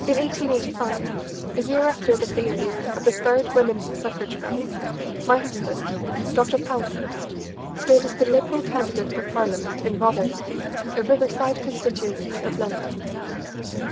CHAPTER II In 1885, a year after the failure of the third women's suffrage bill, my husband, Dr. Pankhurst, stood as the Liberal candidate for Parliament in Rotherline, a riverside constituency of London.